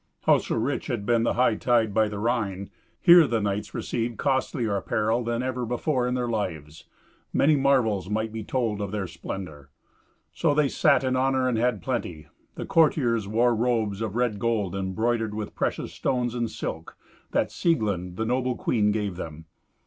Howso rich had been the hightide by the Rhine, here the knights received costlier apparel than ever before in their lives. Many marvels might be told of their splendour. So they sat in honour and had plenty. The courtiers wore robes of red gold embroidered with precious stones and silk, that Sieglind, the noble queen, gave them.